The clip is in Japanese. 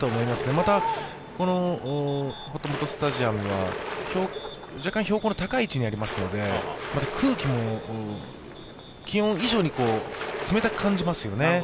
また、ほっともっとスタジアムは若干標高の高い位置にありますので空気も、気温以上に冷たく感じますよね。